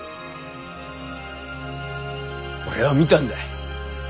俺は見たんだい。